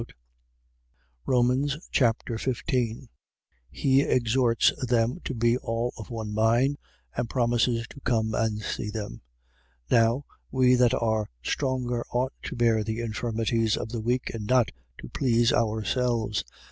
Romans Chapter 15 He exhorts them to be all of one mind and promises to come and see them. 15:1. Now, we that are stronger ought to bear the infirmities of the weak and not to please ourselves.